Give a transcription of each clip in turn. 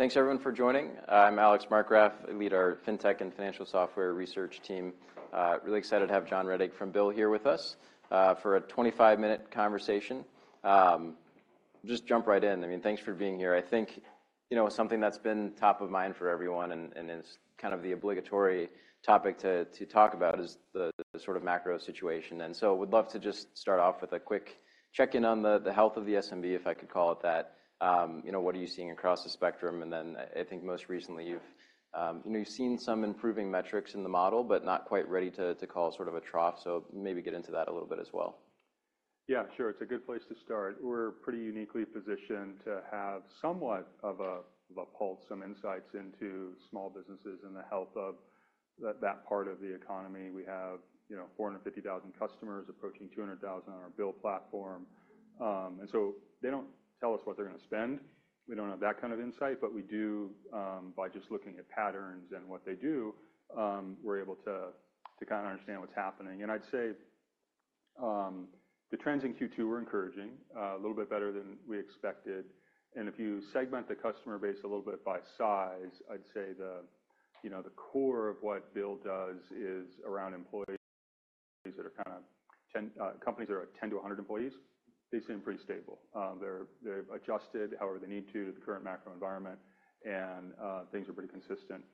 Thanks, everyone, for joining. I'm Alex Markgraf. I lead our Fintech and Financial Software Research team. Really excited to have John Rettig from BILL here with us, for a 25-minute conversation. Just jump right in. I mean, thanks for being here. I think, you know, something that's been top of mind for everyone and it's kind of the obligatory topic to talk about is the sort of macro situation, and so would love to just start off with a quick check-in on the health of the SMB, if I could call it that. You know, what are you seeing across the spectrum? And then I think most recently you've, you know, you've seen some improving metrics in the model, but not quite ready to call sort of a trough, so maybe get into that a little bit as well. Yeah, sure. It's a good place to start. We're pretty uniquely positioned to have somewhat of a, of a pulse, some insights into small businesses and the health of that, that part of the economy. We have, you know, 450,000 customers, approaching 200,000 on our BILL platform. And so they don't tell us what they're going to spend. We don't have that kind of insight, but we do, by just looking at patterns and what they do, we're able to, to kind of understand what's happening. I'd say the trends in Q2 were encouraging, a little bit better than we expected, and if you segment the customer base a little bit by size, I'd say the, you know, the core of what BILL does is around employees that are kind of 10 companies that are at 10 to 100 employees. They seem pretty stable. They're, they've adjusted however they need to to the current macro environment, and things are pretty consistent.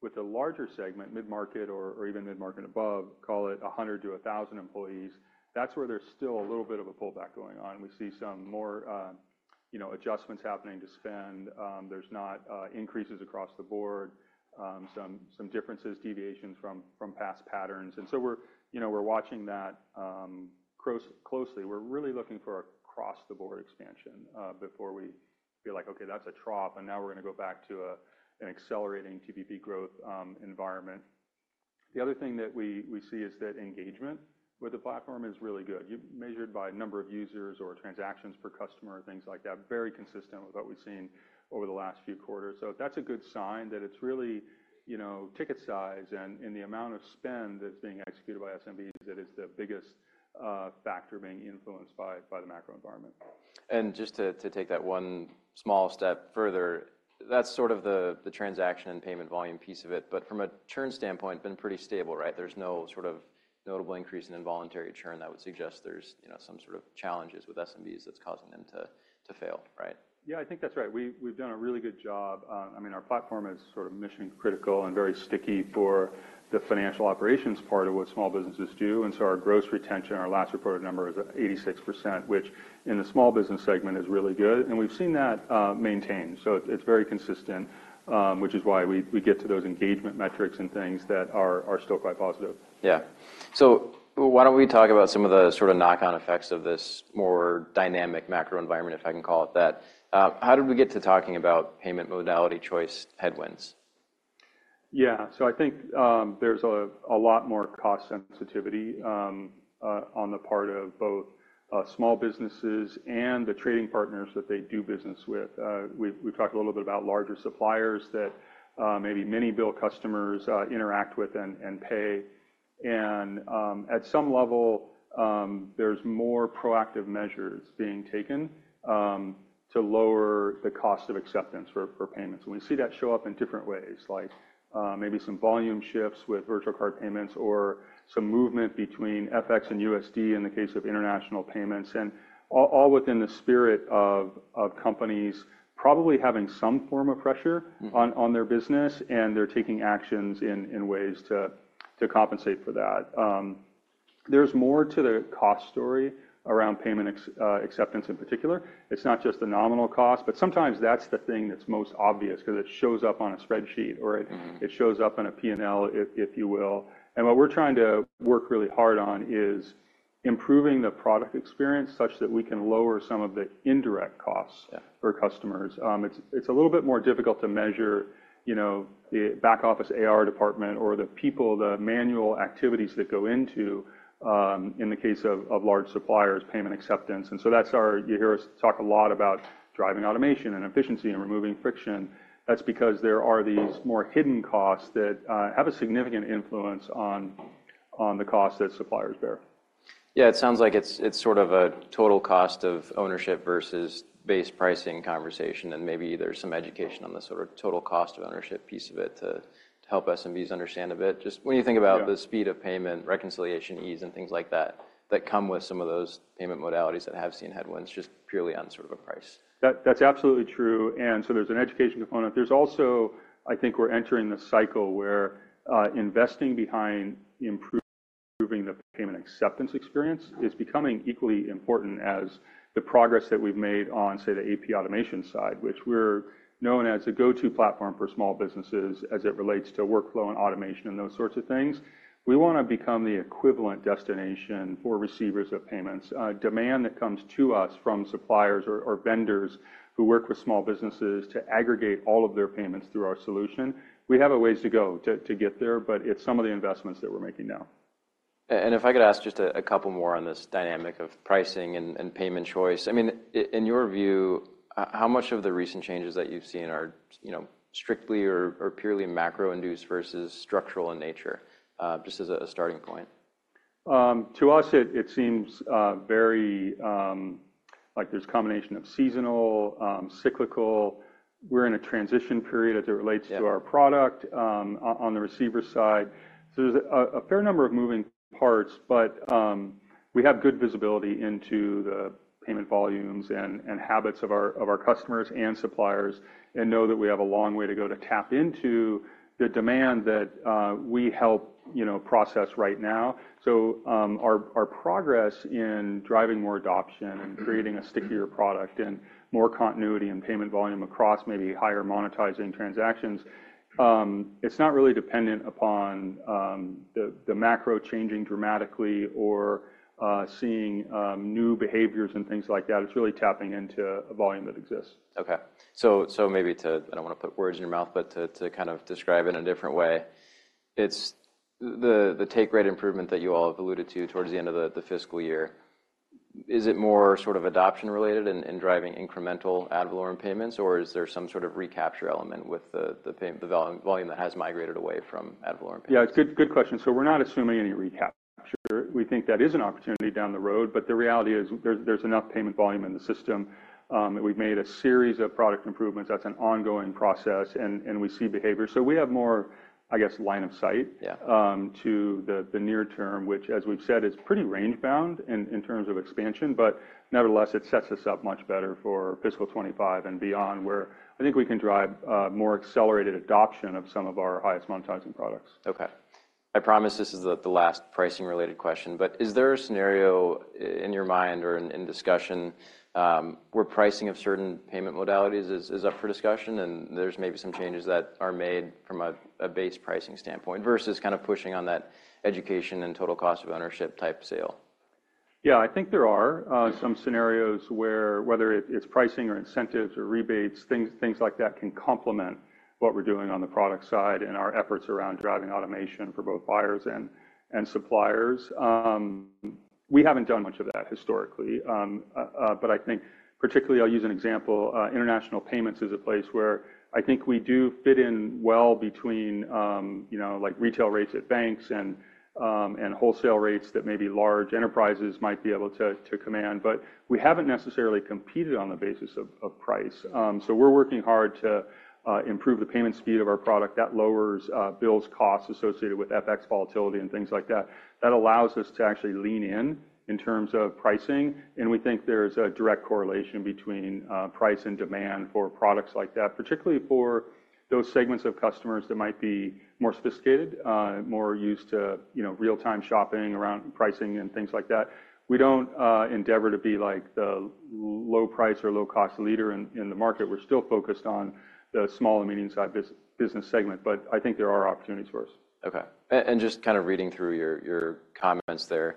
With the larger segment, mid-market or, or even mid-market above, call it 100 to 1,000 employees, that's where there's still a little bit of a pullback going on. We see some more, you know, adjustments happening to spend. There's not increases across the board, some, some differences, deviations from, from past patterns, and so we're, you know, we're watching that closely. We're really looking for across-the-board expansion before we feel like, "Okay, that's a trough, and now we're gonna go back to an accelerating TPV growth environment." The other thing that we see is that engagement with the platform is really good. Measured by number of users or transactions per customer, things like that, very consistent with what we've seen over the last few quarters. So that's a good sign that it's really, you know, ticket size and the amount of spend that's being executed by SMBs, that is the biggest factor being influenced by the macro environment. Just to take that one small step further, that's sort of the transaction and payment volume piece of it, but from a churn standpoint, been pretty stable, right? There's no sort of notable increase in involuntary churn that would suggest there's, you know, some sort of challenges with SMBs that's causing them to fail, right? Yeah, I think that's right. We, we've done a really good job on, I mean, our platform is sort of mission-critical and very sticky for the financial operations part of what small businesses do, and so our gross retention, our last reported number, is at 86%, which in the small business segment is really good. And we've seen that maintained, so it's very consistent, which is why we get to those engagement metrics and things that are still quite positive. Yeah. So why don't we talk about some of the sort of knock-on effects of this more dynamic macro environment, if I can call it that. How did we get to talking about payment modality choice headwinds? Yeah. So I think, there's a lot more cost sensitivity on the part of both small businesses and the trading partners that they do business with. We've talked a little bit about larger suppliers that maybe many BILL customers interact with and pay. And at some level, there's more proactive measures being taken to lower the cost of acceptance for payments. We see that show up in different ways, like, maybe some volume shifts with virtual card payments or some movement between FX and USD in the case of international payments, and all within the spirit of companies probably having some form of pressure- On their business, and they're taking actions in ways to compensate for that. There's more to the cost story around payment acceptance in particular. It's not just the nominal cost, but sometimes that's the thing that's most obvious 'cause it shows up on a spreadsheet, or it- it shows up on a P&L, if you will. What we're trying to work really hard on is improving the product experience such that we can lower some of the indirect costs- Yeah for customers. It's, it's a little bit more difficult to measure, you know, the back office AR department or the people, the manual activities that go into in the case of large suppliers, payment acceptance. And so that's our. You hear us talk a lot about driving automation and efficiency and removing friction. That's because there are these more hidden costs that have a significant influence on the cost that suppliers bear. Yeah, it sounds like it's, it's sort of a total cost of ownership versus base pricing conversation, and maybe there's some education on the sort of total cost of ownership piece of it to, to help SMBs understand a bit. Just when you think about- Yeah The speed of payment, reconciliation, ease, and things like that, that come with some of those payment modalities that have seen headwinds just purely on sort of a price. That, that's absolutely true, and so there's an education component. There's also... I think we're entering the cycle where investing behind improving the payment acceptance experience is becoming equally important as the progress that we've made on, say, the AP automation side, which we're known as a go-to platform for small businesses as it relates to workflow and automation and those sorts of things. We wanna become the equivalent destination for receivers of payments, demand that comes to us from suppliers or vendors who work with small businesses to aggregate all of their payments through our solution. We have a ways to go to get there, but it's some of the investments that we're making now. And if I could ask just a couple more on this dynamic of pricing and payment choice. I mean, in your view, how much of the recent changes that you've seen are, you know, strictly or purely macro-induced versus structural in nature? Just as a starting point. To us, it seems very like there's a combination of seasonal, cyclical. We're in a transition period as it relates- Yeah to our product on the receiver side. So there's a fair number of moving parts, but we have good visibility into the payment volumes and habits of our customers and suppliers, and know that we have a long way to go to tap into the demand that we help, you know, process right now. So our progress in driving more adoption and creating a stickier product and more continuity and payment volume across maybe higher monetizing transactions, it's not really dependent upon the macro changing dramatically or seeing new behaviors and things like that. It's really tapping into a volume that exists. Okay. So maybe I don't want to put words in your mouth, but to kind of describe it in a different way, it's the take rate improvement that you all have alluded to towards the end of the fiscal year. Is it more sort of adoption related and driving incremental ad valorem payments, or is there some sort of recapture element with the volume that has migrated away from ad valorem payments? Yeah, good, good question. So we're not assuming any recapture. We think that is an opportunity down the road, but the reality is there's, there's enough payment volume in the system that we've made a series of product improvements. That's an ongoing process, and, and we see behavior. So we have more, I guess, line of sight- Yeah... to the near term, which, as we've said, is pretty range-bound in terms of expansion, but nevertheless, it sets us up much better for fiscal 25 and beyond, where I think we can drive more accelerated adoption of some of our highest monetizing products. Okay. I promise this is the last pricing-related question, but is there a scenario in your mind or in discussion, where pricing of certain payment modalities is up for discussion, and there's maybe some changes that are made from a base pricing standpoint versus kind of pushing on that education and total cost of ownership type sale? Yeah, I think there are some scenarios where whether it's pricing or incentives or rebates, things like that can complement what we're doing on the product side and our efforts around driving automation for both buyers and suppliers. We haven't done much of that historically. But I think particularly, I'll use an example, international payments is a place where I think we do fit in well between, you know, like retail rates at banks and wholesale rates that maybe large enterprises might be able to command, but we haven't necessarily competed on the basis of price. So we're working hard to improve the payment speed of our product. That lowers BILL's costs associated with FX volatility and things like that. That allows us to actually lean in in terms of pricing, and we think there's a direct correlation between price and demand for products like that, particularly for those segments of customers that might be more sophisticated, more used to, you know, real-time shopping around pricing and things like that. We don't endeavor to be like the low price or low-cost leader in the market. We're still focused on the small and medium-sized business segment, but I think there are opportunities for us. Okay. And, and just kind of reading through your, your comments there,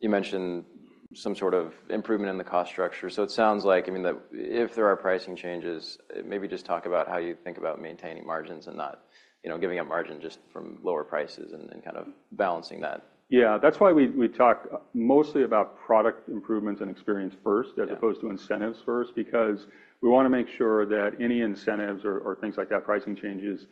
you mentioned some sort of improvement in the cost structure. So it sounds like, I mean, that if there are pricing changes, maybe just talk about how you think about maintaining margins and not, you know, giving up margin just from lower prices and, and kind of balancing that. Yeah, that's why we talk mostly about product improvements and experience first- Yeah -as opposed to incentives first, because we want to make sure that any incentives or, or things like that, pricing changes,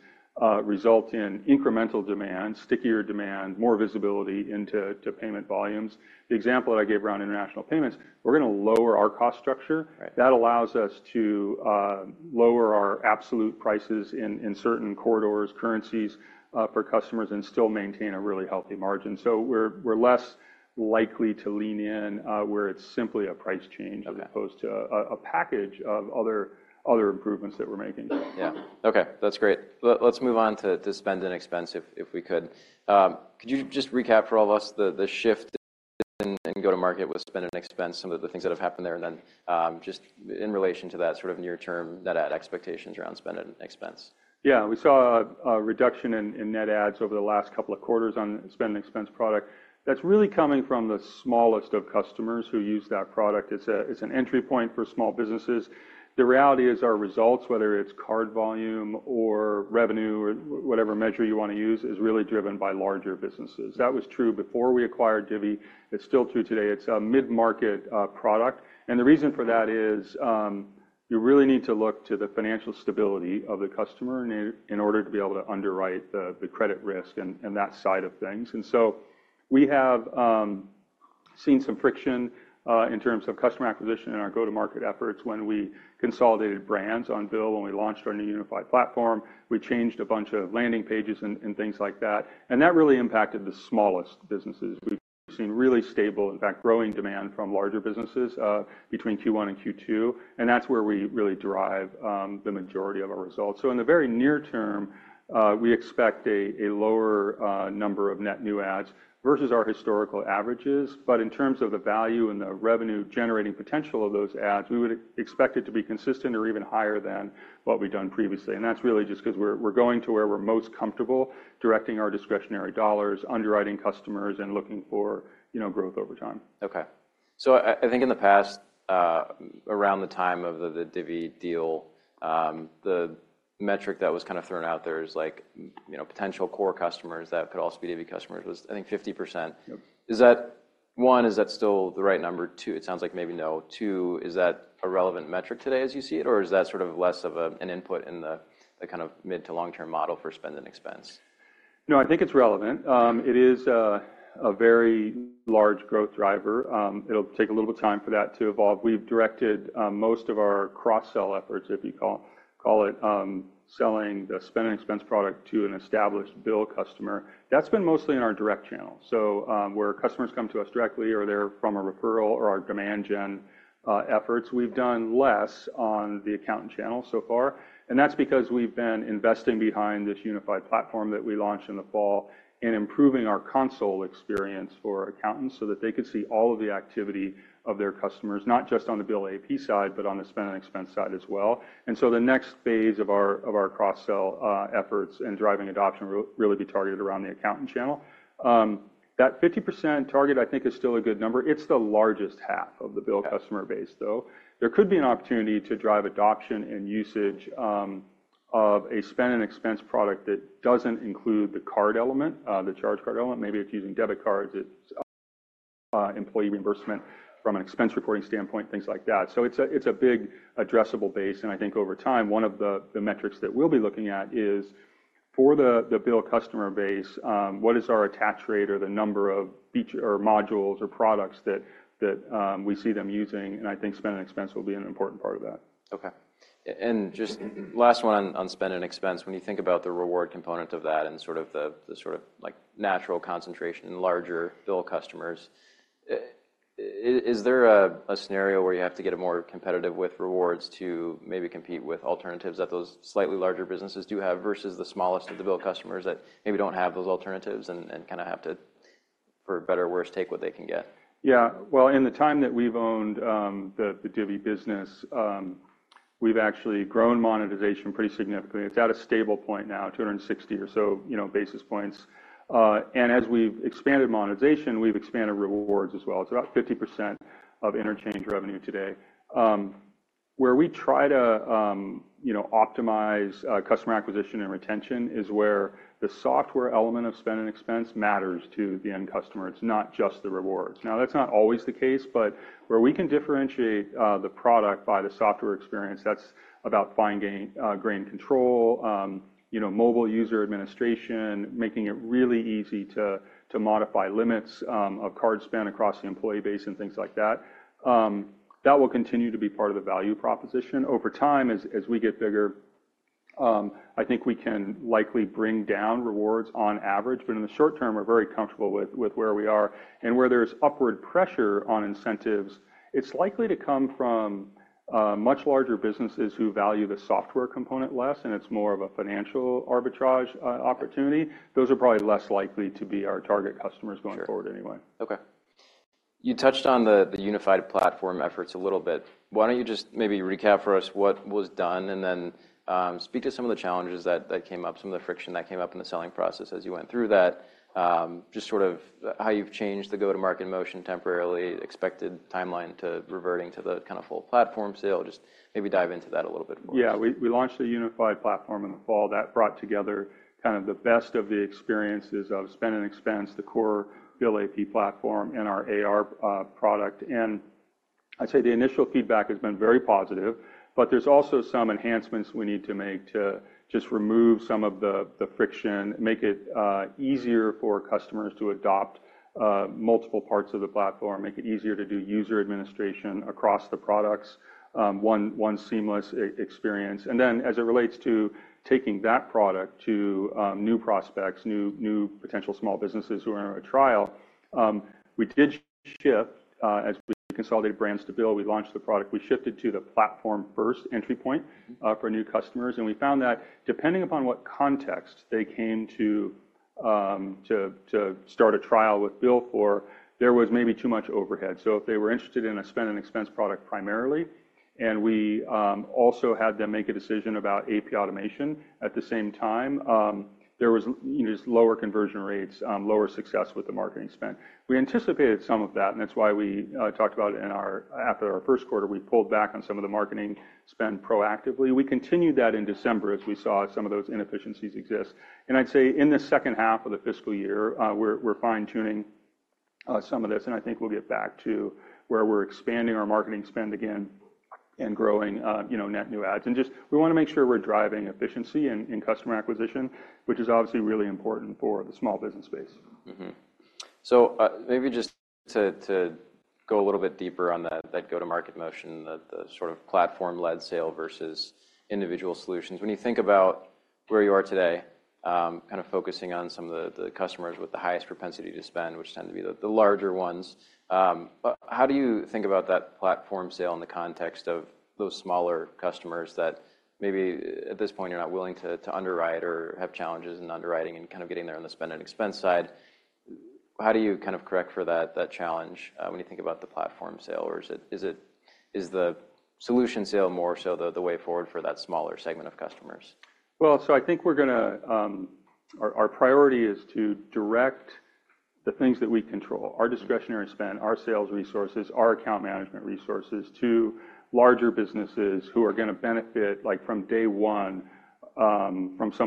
result in incremental demand, stickier demand, more visibility into to payment volumes. The example that I gave around international payments, we're going to lower our cost structure. Right. That allows us to lower our absolute prices in certain corridors, currencies, for customers, and still maintain a really healthy margin. So we're less likely to lean in where it's simply a price change- Okay as opposed to a package of other improvements that we're making. Yeah. Okay, that's great. Let's move on to Spend and Expense if we could. Could you just recap for all of us the shift in go-to-market with Spend and Expense, some of the things that have happened there, and then, just in relation to that sort of near-term net add expectations around Spend and Expense? Yeah. We saw a reduction in net adds over the last couple of quarters on Spend and Expense product. That's really coming from the smallest of customers who use that product. It's an entry point for small businesses. The reality is, our results, whether it's card volume or revenue or whatever measure you want to use, is really driven by larger businesses. That was true before we acquired Divvy. It's still true today. It's a mid-market product, and the reason for that is, you really need to look to the financial stability of the customer in order to be able to underwrite the credit risk and that side of things. And so we have seen some friction in terms of customer acquisition in our go-to-market efforts when we consolidated brands on BILL, when we launched our new unified platform. We changed a bunch of landing pages and things like that, and that really impacted the smallest businesses. We've seen really stable, in fact, growing demand from larger businesses between Q1 and Q2, and that's where we really derive the majority of our results. So in the very near term, we expect a lower number of net new adds versus our historical averages. But in terms of the value and the revenue-generating potential of those adds, we would expect it to be consistent or even higher than what we've done previously, and that's really just 'cause we're going to where we're most comfortable directing our discretionary dollars, underwriting customers, and looking for, you know, growth over time. Okay. So I think in the past, around the time of the Divvy deal, the metric that was kind of thrown out there as like, you know, potential core customers that could also be Divvy customers was, I think, 50%. Yep. Is that one, is that still the right number? Two, it sounds like maybe no. Two, is that a relevant metric today as you see it, or is that sort of less of an input in the kind of mid- to long-term model for Spend and Expense? No, I think it's relevant. It is a very large growth driver. It'll take a little bit of time for that to evolve. We've directed most of our cross-sell efforts, if you call it, selling the Spend and Expense product to an established BILL customer. That's been mostly in our direct channel, so where customers come to us directly or they're from a referral or our demand gen efforts. We've done less on the accountant channel so far, and that's because we've been investing behind this unified platform that we launched in the fall and improving our console experience for accountants so that they could see all of the activity of their customers, not just on the BILL AP side, but on the Spend and Expense side as well. The next phase of our cross-sell efforts and driving adoption will really be targeted around the accountant channel. That 50% target, I think, is still a good number. It's the largest half of the BILL customer base, though. There could be an opportunity to drive adoption and usage of a Spend and Expense product that doesn't include the card element, the charge card element. Maybe if you're using debit cards, it's employee reimbursement from an expense reporting standpoint, things like that. So it's a big addressable base, and I think over time, one of the metrics that we'll be looking at is for the BILL customer base, what is our attach rate or the number of feature or modules or products that we see them using? I think Spend and Expense will be an important part of that. Okay. Just last one on Spend and Expense. When you think about the reward component of that and sort of the sort of like natural concentration in larger Bill customers, is there a scenario where you have to get more competitive with rewards to maybe compete with alternatives that those slightly larger businesses do have, versus the smallest of the Bill customers that maybe don't have those alternatives and kind of have to, for better or worse, take what they can get? Yeah. Well, in the time that we've owned the Divvy business, we've actually grown monetization pretty significantly. It's at a stable point now, 260 or so, you know, basis points. And as we've expanded monetization, we've expanded rewards as well. It's about 50% of interchange revenue today. Where we try to, you know, optimize customer acquisition and retention is where the software element of Spend and Expense matters to the end customer. It's not just the rewards. Now, that's not always the case, but where we can differentiate the product by the software experience, that's about fine-grained control, you know, mobile user administration, making it really easy to modify limits of card spend across the employee base and things like that. That will continue to be part of the value proposition. Over time, as we get bigger, I think we can likely bring down rewards on average, but in the short term, we're very comfortable with where we are. And where there's upward pressure on incentives, it's likely to come from much larger businesses who value the software component less, and it's more of a financial arbitrage opportunity. Those are probably less likely to be our target customers going forward anyway. Sure. Okay. You touched on the unified platform efforts a little bit. Why don't you just maybe recap for us what was done, and then speak to some of the challenges that came up, some of the friction that came up in the selling process as you went through that? Just sort of how you've changed the go-to-market motion, temporarily expected timeline to reverting to the kind of full platform sale. Just maybe dive into that a little bit for us. Yeah, we launched the unified platform in the fall. That brought together kind of the best of the experiences of Spend and Expense, the core BILL AP platform, and our AR product. And I'd say the initial feedback has been very positive, but there's also some enhancements we need to make to just remove some of the friction, make it easier for customers to adopt multiple parts of the platform, make it easier to do user administration across the products, one seamless experience. And then, as it relates to taking that product to new prospects, new potential small businesses who are in a trial, we did shift, as we consolidated brands to BILL, we launched the product. We shifted to the platform first entry point- For new customers, and we found that depending upon what context they came to to start a trial with BILL for, there was maybe too much overhead. So if they were interested in a Spend and Expense product primarily, and we also had them make a decision about AP automation at the same time, there was, you know, just lower conversion rates, lower success with the marketing spend. We anticipated some of that, and that's why we talked about it in our... After our Q1, we pulled back on some of the marketing spend proactively. We continued that in December as we saw some of those inefficiencies exist. And I'd say in the second half of the fiscal year, we're fine-tuning some of this, and I think we'll get back to where we're expanding our marketing spend again and growing, you know, net new ads. And just, we wanna make sure we're driving efficiency in customer acquisition, which is obviously really important for the small business space. So, maybe just to go a little bit deeper on that, that go-to-market motion, the sort of platform-led sale versus individual solutions. When you think about where you are today, kind of focusing on some of the customers with the highest propensity to spend, which tend to be the larger ones, how do you think about that platform sale in the context of those smaller customers that maybe at this point you're not willing to underwrite or have challenges in underwriting and kind of getting there on the Spend and Expense side? How do you kind of correct for that challenge when you think about the platform sale, or is it, is the solution sale more so the way forward for that smaller segment of customers? Well, I think our priority is to direct the things that we control, our discretionary spend, our sales resources, our account management resources, to larger businesses who are gonna benefit from some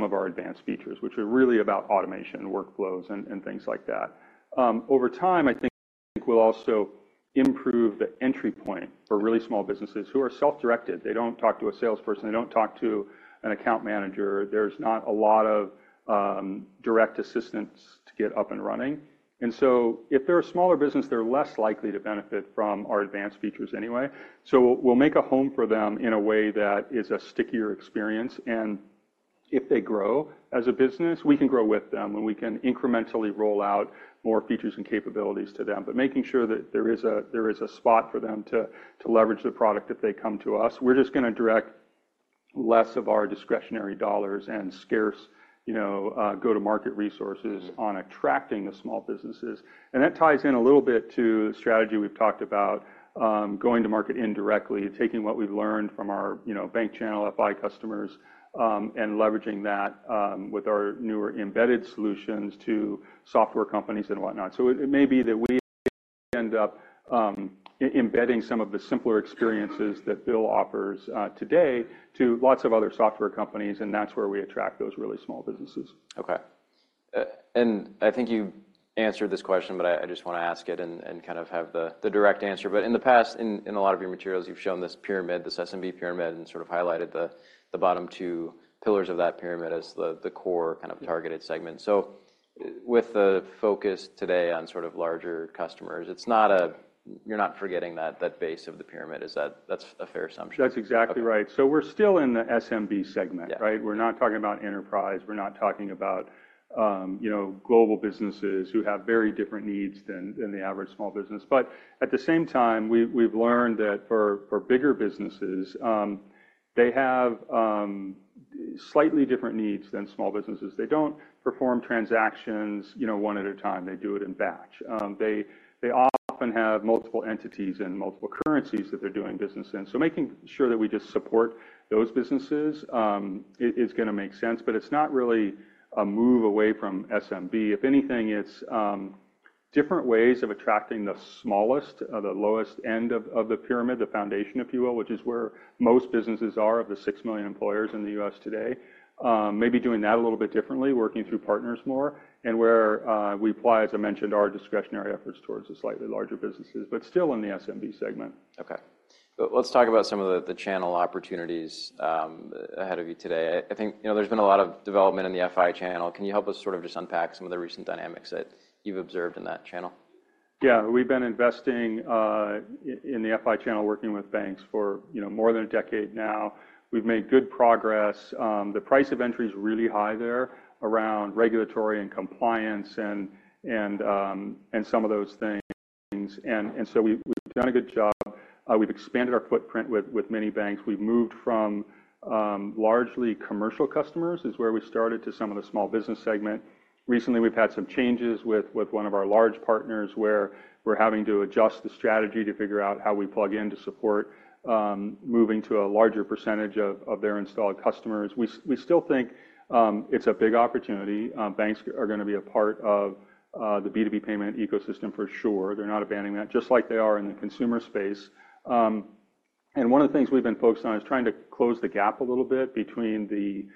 of our advanced features, which are really about automation and workflows and things like that. Over time, I think we'll also improve the entry point for really small businesses who are self-directed. They don't talk to a salesperson. They don't talk to an account manager. There's not a lot of direct assistance to get up and running. And so if they're a smaller business, they're less likely to benefit from our advanced features anyway. So we'll make a home for them in a way that is a stickier experience, and if they grow as a business, we can grow with them, and we can incrementally roll out more features and capabilities to them. But making sure that there is a spot for them to leverage the product if they come to us. We're just gonna direct less of our discretionary dollars and scarce, you know, go-to-market resources on attracting the small businesses. And that ties in a little bit to the strategy we've talked about, going to market indirectly and taking what we've learned from our, you know, bank channel FI customers, and leveraging that, with our newer embedded solutions to software companies and whatnot. So it may be that we end up embedding some of the simpler experiences that BILL offers today to lots of other software companies, and that's where we attract those really small businesses. Okay. And I think you answered this question, but I, I just want to ask it and, and kind of have the, the direct answer. But in the past, in, in a lot of your materials, you've shown this pyramid, this SMB pyramid, and sort of highlighted the, the bottom two pillars of that pyramid as the, the core kind of targeted segment. So with the focus today on sort of larger customers, it's not you're not forgetting that, that base of the pyramid, is that-- that's a fair assumption? That's exactly right. Okay. We're still in the SMB segment- Yeah. Right? We're not talking about enterprise. We're not talking about, you know, global businesses who have very different needs than the average small business. But at the same time, we've learned that for bigger businesses, they have slightly different needs than small businesses. They don't perform transactions, you know, one at a time. They do it in batch. They often have multiple entities and multiple currencies that they're doing business in. So making sure that we just support those businesses is gonna make sense, but it's not really a move away from SMB. If anything, it's different ways of attracting the smallest, the lowest end of the pyramid, the foundation, if you will, which is where most businesses are, of the 6 million employers in the US today. Maybe doing that a little bit differently, working through partners more, and where we apply, as I mentioned, our discretionary efforts towards the slightly larger businesses, but still in the SMB segment. Okay. Let's talk about some of the channel opportunities ahead of you today. I think, you know, there's been a lot of development in the FI channel. Can you help us sort of just unpack some of the recent dynamics that you've observed in that channel? Yeah. We've been investing in the FI channel, working with banks for, you know, more than a decade now. We've made good progress. The price of entry is really high there around regulatory and compliance and some of those things. So we've done a good job. We've expanded our footprint with many banks. We've moved from largely commercial customers, is where we started, to some of the small business segment. Recently, we've had some changes with one of our large partners, where we're having to adjust the strategy to figure out how we plug in to support moving to a larger percentage of their installed customers. We still think it's a big opportunity. Banks are going to be a part of the B2B payment ecosystem for sure. They're not abandoning that, just like they are in the consumer space. One of the things we've been focused on is trying to close the gap a little bit between the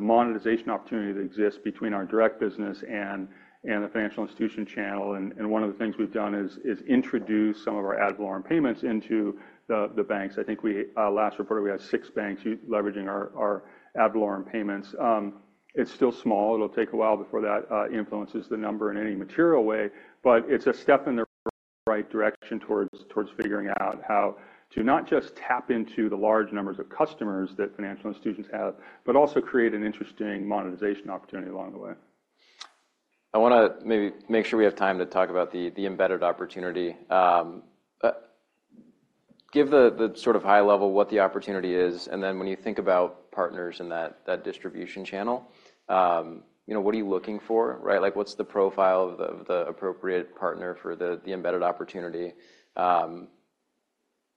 monetization opportunity that exists between our direct business and the financial institution channel. One of the things we've done is introduce some of our ad valorem payments into the banks. I think we last reported we had six banks leveraging our ad valorem payments. It's still small. It'll take a while before that influences the number in any material way, but it's a step in the right direction towards figuring out how to not just tap into the large numbers of customers that financial institutions have, but also create an interesting monetization opportunity along the way. I wanna maybe make sure we have time to talk about the, the embedded opportunity. Give the, the sort of high level what the opportunity is, and then when you think about partners in that, that distribution channel, you know, what are you looking for, right? Like, what's the profile of the, the appropriate partner for the, the embedded opportunity?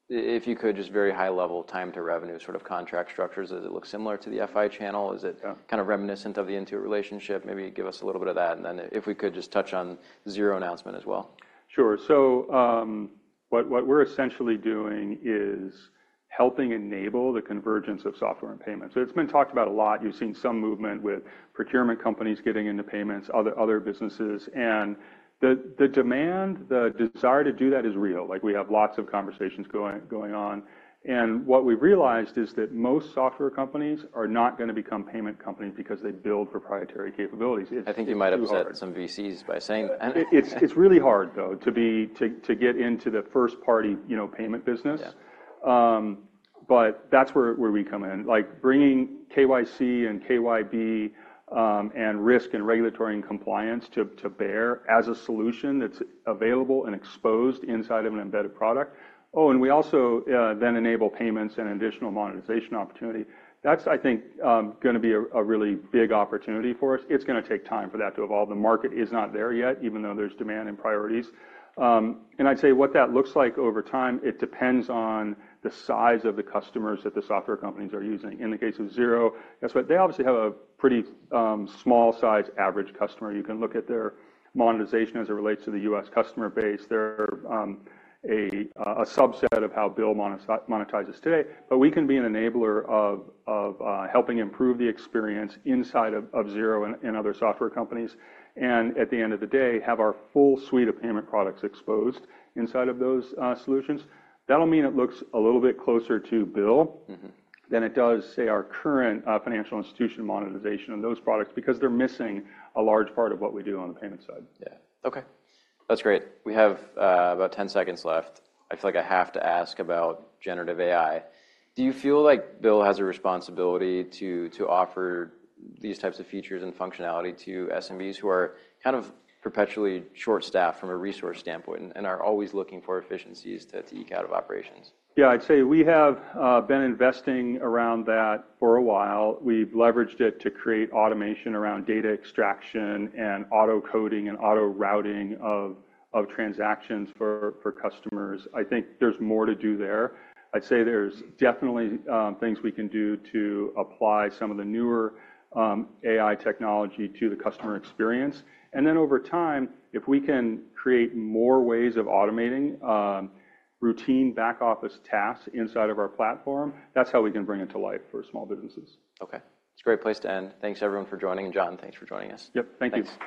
If you could, just very high level, time to revenue, sort of contract structures. Does it look similar to the FI channel? Yeah. Is it kinda reminiscent of the Intuit relationship? Maybe give us a little bit of that, and then if we could, just touch on Xero announcement as well. Sure. So, what we're essentially doing is helping enable the convergence of software and payments. So it's been talked about a lot. You've seen some movement with procurement companies getting into payments, other businesses, and the demand, the desire to do that is real. Like, we have lots of conversations going on, and what we've realized is that most software companies are not gonna become payment companies because they build proprietary capabilities. It's hard. I think you might upset some VCs by saying that. It's really hard, though, to get into the first-party, you know, payment business. Yeah. But that's where we come in. Like, bringing KYC and KYB, and risk and regulatory and compliance to bear as a solution that's available and exposed inside of an embedded product. Oh, and we also then enable payments and additional monetization opportunity. That's, I think, gonna be a really big opportunity for us. It's gonna take time for that to evolve. The market is not there yet, even though there's demand and priorities. And I'd say what that looks like over time, it depends on the size of the customers that the software companies are using. In the case of Xero, that's why they obviously have a pretty small size average customer. You can look at their monetization as it relates to the US customer base. They're a subset of how Bill monetizes today, but we can be an enabler of helping improve the experience inside of Xero and other software companies and, at the end of the day, have our full suite of payment products exposed inside of those solutions. That'll mean it looks a little bit closer to Bill- than it does, say, our current, financial institution monetization of those products because they're missing a large part of what we do on the payment side. Yeah. Okay. That's great. We have about 10 seconds left. I feel like I have to ask about generative AI. Do you feel like BILL has a responsibility to, to offer these types of features and functionality to SMBs, who are kind of perpetually short-staffed from a resource standpoint and are always looking for efficiencies to, to eke out of operations? Yeah, I'd say we have been investing around that for a while. We've leveraged it to create automation around data extraction and auto-coding and auto-routing of transactions for customers. I think there's more to do there. I'd say there's definitely things we can do to apply some of the newer AI technology to the customer experience. And then, over time, if we can create more ways of automating routine back-office tasks inside of our platform, that's how we can bring it to life for small businesses. Okay. It's a great place to end. Thanks, everyone, for joining, and, John, thanks for joining us. Yep. Thank you.